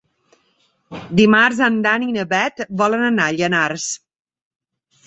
Dimarts en Dan i na Bet volen anar a Llanars.